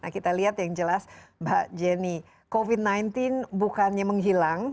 kita lihat yang jelas mbak jenny covid sembilan belas bukannya menghilang